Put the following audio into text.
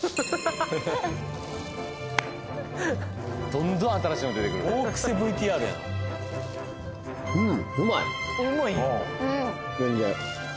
どんどん新しいのん出てくる大クセＶＴＲやんうん！